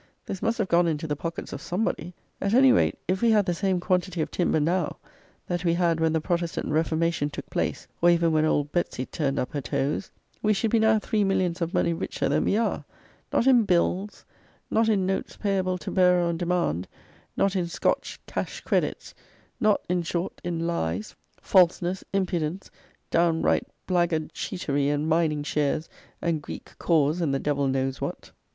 This must have gone into the pockets of somebody. At any rate, if we had the same quantity of timber now that we had when the Protestant Reformation took place, or even when Old Betsy turned up her toes, we should be now three millions of money richer than we are; not in bills; not in notes payable to bearer on demand; not in Scotch "cash credits;" not, in short, in lies, falseness, impudence, downright blackguard cheatery and mining shares and "Greek cause" and the devil knows what.